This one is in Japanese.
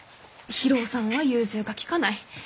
博夫さんは融通が利かない。